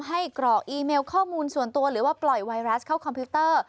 กรอกอีเมลข้อมูลส่วนตัวหรือว่าปล่อยไวรัสเข้าคอมพิวเตอร์